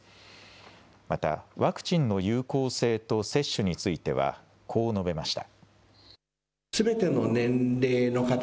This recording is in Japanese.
またワクチンの有効性と接種についてはこう述べました。